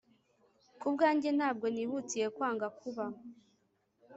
Ku bwanjye ntabwo nihutiye kwanga kuba